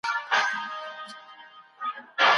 کوم مالي پلان زموږ ذهن ته ارامتیا بخښي؟